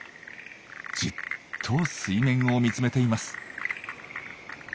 じっと水面を見つめています。